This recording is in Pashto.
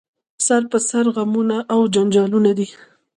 سر په سر غمونه او جنجالونه دي